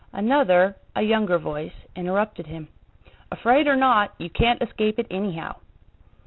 Another, a younger voice, interrupted him: "Afraid or not, you can't escape it anyhow."